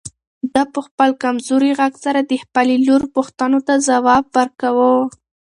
ده په خپل کمزوري غږ سره د خپلې لور پوښتنو ته ځواب ورکاوه.